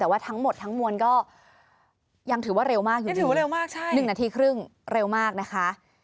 แต่ว่าทั้งหมดทั้งมวลก็ยังถือว่าเร็วมากอยู่๑นาทีครึ่งเร็วมากนะคะ